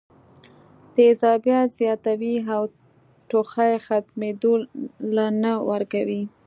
تېزابيت زياتوي او ټوخی ختمېدو له نۀ ورکوي